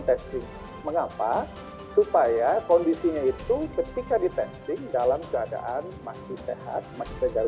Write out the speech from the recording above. testing mengapa supaya kondisinya itu ketika di testing dalam keadaan masih sehat masih sejauh